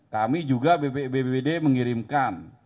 kami juga bbbd mengirimkan